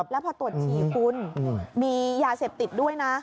แล้วพอตรวจฉี่คุณมียาเสพติดด้วยนะ